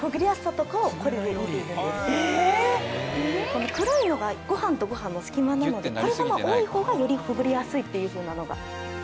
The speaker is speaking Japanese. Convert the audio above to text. この黒いのがご飯とご飯の隙間なのでこれが多い方がよりほぐれやすいっていうふうなのが。